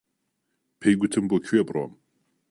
پێی گوتم بۆ کوێ بڕۆم.